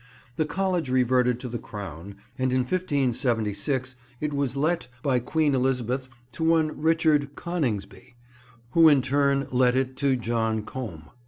The College reverted to the Crown, and in 1576 it was let by Queen Elizabeth to one Richard Coningsby, who in turn let it to John Combe.